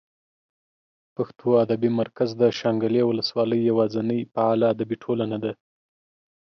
پښتو ادبي مرکز د شانګلې اولس والۍ یواځینۍ فعاله ادبي ټولنه ده